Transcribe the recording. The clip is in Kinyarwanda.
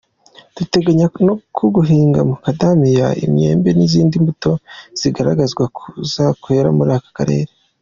Duteganya no guhinga makadamiya, imyembe n’izindi mbuto zizagaragazwa ko zakwera muri aka karere.